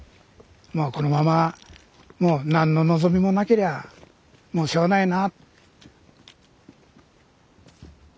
このままもう何の望みもなけりゃもうしょうがないな。